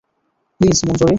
Please, Manjuri.